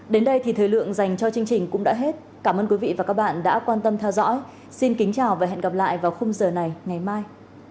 đến đây thì thời lượng dành cho chương trình cũng đã hết cảm ơn quý vị và các bạn đã quan tâm theo dõi xin kính chào và hẹn gặp lại vào khung giờ này ngày mai